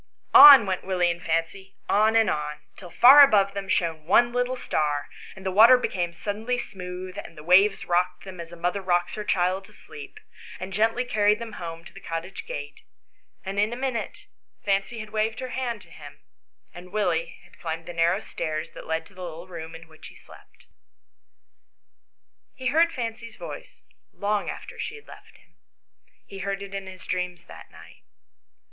On went Willie and Fancy, on and on, till far above them shone one little star, and the water became suddenly smooth, and the waves rocked them as a mother rocks her child to sleep, and gently carried them home to the cottage gate, and in a minute Fancy had waved her hand to him, and Willie had climbed the narrow stairs that led to the little room in which he slept. He heard Fancy's voice long after she had left him. He heard it in his dreams that night.